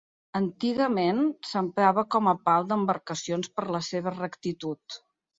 Antigament s'emprava com a pal d'embarcacions per la seva rectitud.